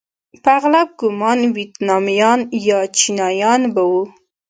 په اغلب ګومان ویتنامیان یا چینایان به وو.